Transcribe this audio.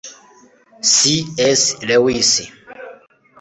c s lewis